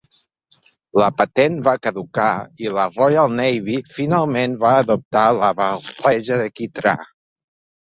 La patent va caducar i la Royal Navy finalment va adoptar la barreja de quitrà.